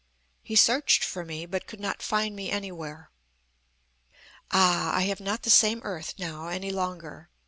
He searched for me, but could not find me anywhere. "Ah! I have not the same earth now any longer.